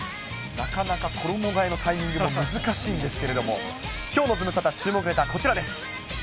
なかなか衣がえのタイミングも難しいですけれども、きょうのズムサタ、注目ネタ、こちらです。